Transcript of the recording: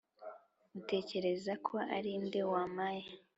utekereza ko ari nde wampaye?